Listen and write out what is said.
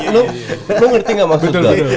lu ngerti gak maksudnya